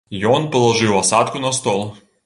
Ён палажыў асадку на стол.